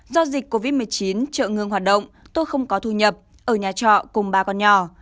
do dịch covid một mươi chín chợ ngưng hoạt động tôi không có thu nhập ở nhà trọ cùng ba con nhỏ